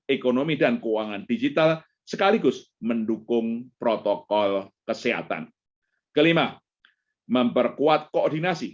ekonomi dan keuangan digital sekaligus mendukung protokol kesehatan kelima memperkuat koordinasi